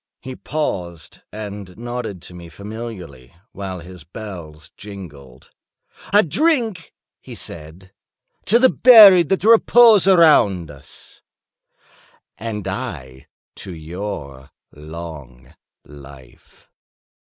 He paused and nodded to me familiarly, while his bells jingled. "I drink," he said, "to the buried that repose around us." "And I to your long life."